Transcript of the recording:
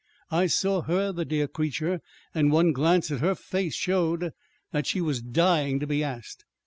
I saw her the dear creature! And one glance at her face showed that she was dying to be asked.